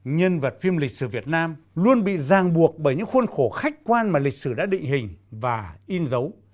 nhân vật phim lịch sử việt nam luôn bị ràng buộc bởi những khuôn khổ khách quan mà lịch sử đã định hình và in dấu